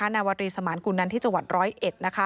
นวรีสมานกุลนั้นที่จังหวัด๑๐๑